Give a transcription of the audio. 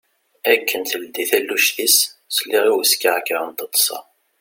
Akken teldi talelluct-is, sliɣ i uskeεkeε n teṭsa.